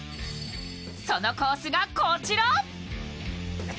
そのコースがこちら！